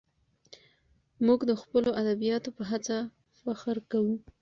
موږ د خپلو ادیبانو په هڅو فخر کوو.